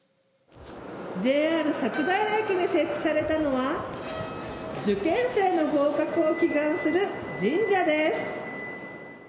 ＪＲ佐久平駅に設置されたのは受験生の合格を祈願する神社です。